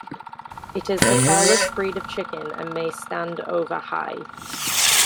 It is the tallest breed of chicken, and may stand over high.